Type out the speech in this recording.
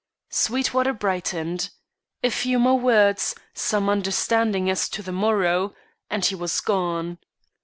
Sweetwater brightened. A few more words, some understanding as to the morrow, and he was gone.